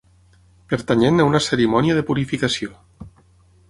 Pertanyent a una cerimònia de purificació.